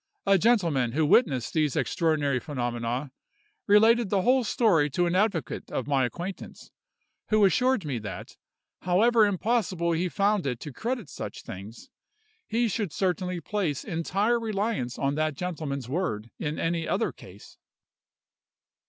A gentleman who witnessed these extraordinary phenomena, related the whole story to an advocate of my acquaintance, who assured me that, however impossible he found it to credit such things, he should certainly place entire reliance on that gentleman's word in any other case.